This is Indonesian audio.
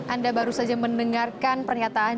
anda baru saja mendengarkan pernyataan